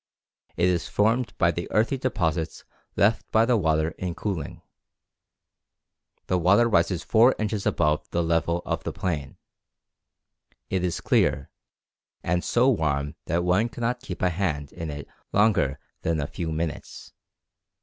It is formed of the earthy deposits left by the water in cooling. The water rises four inches above the level of the plain. It is clear, and so warm that one cannot keep a hand in it longer than a few minutes.